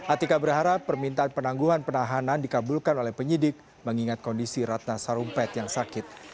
atika berharap permintaan penangguhan penahanan dikabulkan oleh penyidik mengingat kondisi ratna sarumpet yang sakit